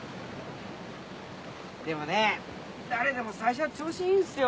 でもね誰でも最初は調子いいんすよ。